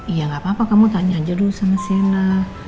iya gapapa kamu tanya aja dulu sama si ena